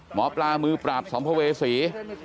หมอปลามือปราบสัมภเวษี